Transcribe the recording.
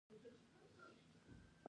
لمسون له عبدالرحمن خان سره مخالف شو.